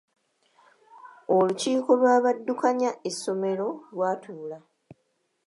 Olukiiko lw'abaddukanya essomero lwatuula.